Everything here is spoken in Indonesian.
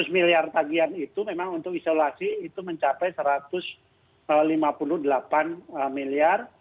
lima ratus miliar tagian itu memang untuk isolasi itu mencapai satu ratus lima puluh delapan miliar